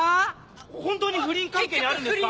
本当に不倫関係にあるんですか？